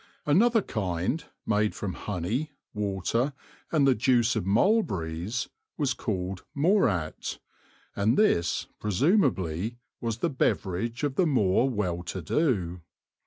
Another kind, made from honey, water, and the juice of mulberries, was called Morat ; and this, presumably, was the beverage of the more well to do.